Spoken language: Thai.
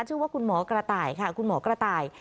ชื่อว่าคุณหมอกระต่ายค่ะคุณหมอกระต่าย